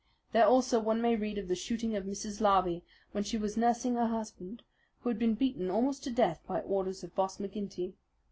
There also one may read of the shooting of Mrs. Larbey when she was nursing her husband, who had been beaten almost to death by orders of Boss McGinty.